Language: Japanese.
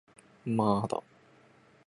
まーだ